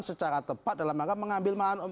secara tepat dalam rangka mengambil mahan umum